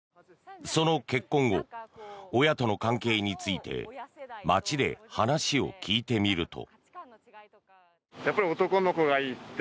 その結婚後、親との関係について街で話を聞いてみると。